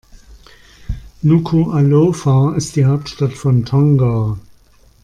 Nukuʻalofa ist die Hauptstadt von Tonga.